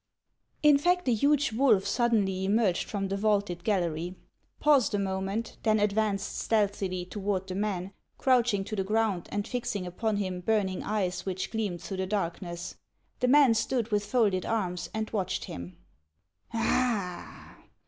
In fact, a huge wolf suddenly emerged from the vaulted gallery, paused a moment, then advanced stealthily toward the man, crouching to the ground and fixing upon him 276 HAXS OF ICELAND. burning eyes which gleamed through the darkness. The man stood with folded arms, and watched him. " Ah